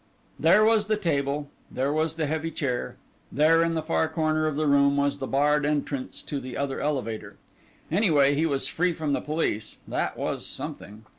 There was the table, there was the heavy chair, there in the far corner of the room was the barred entrance to the other elevator. Anyway he was free from the police; that was something.